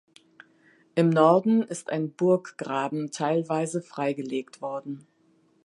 Im Norden ist ein Burggraben teilweise freigelegt worden.